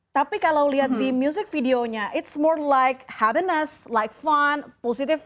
tapi kalau lihat di video musiknya lebih seperti kebahagiaan menyenangkan positif